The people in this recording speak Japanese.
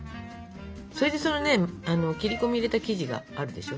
それでそのね切り込み入れた生地があるでしょ。